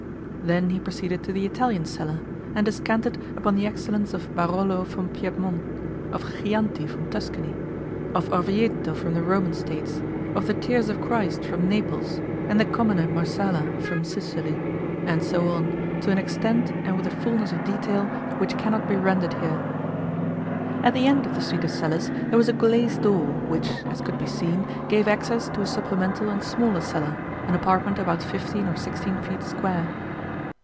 Then he proceeded to the Italian cellar, and descanted upon the excellence of Barolo from Piedmont, of Chianti from Tuscany, of Orvieto from the Roman States, of the 'Tears of Christ' from Naples, and the commoner Marsala from Sicily. And so on, to an extent and with a fullness of detail which cannot be rendered here. At the end of the suite of cellars there was a glazed door, which, as could be seen, gave access to a supplemental and smaller cellar, an apartment about fifteen or sixteen feet square.